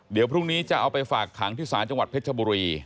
เดี๋ยวพรุ่งนี้จะเอาไปฝากขังที่สจพชบ